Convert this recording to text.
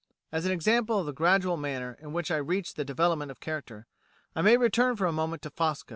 As an example of the gradual manner in which I reached the development of character, I may return for a moment to Fosco.